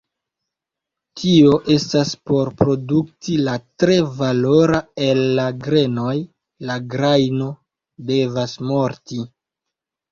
Tio estas, por produkti la tre valora el la grenoj, la grajno devas morti.